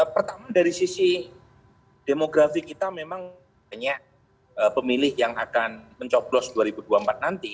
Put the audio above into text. pertama dari sisi demografi kita memang banyak pemilih yang akan mencoblos dua ribu dua puluh empat nanti